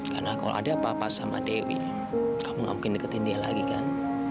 karena kalau ada apa apa sama dewi kamu gak mungkin deketin dia lagi kan